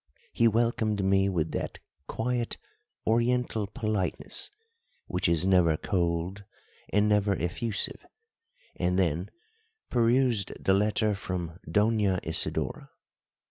He welcomed me with that quiet Oriental politeness which is never cold and never effusive, and then perused the letter from Doña Isidora.